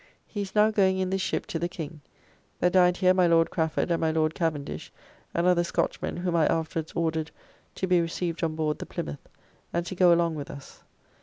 He is now going in this ship to the King. There dined here my Lord Crafford and my Lord Cavendish, and other Scotchmen whom I afterwards ordered to be received on board the Plymouth, and to go along with us.